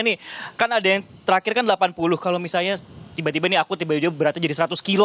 ini kan ada yang terakhir kan delapan puluh kalau misalnya tiba tiba nih aku tiba tiba beratnya jadi seratus kilo